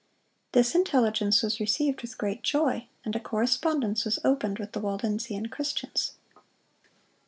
(156) This intelligence was received with great joy, and a correspondence was opened with the Waldensian Christians.